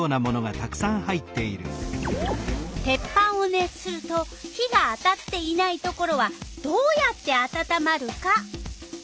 「鉄板を熱すると火が当たっていないところはどうやってあたたまるか」。